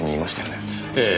ええ。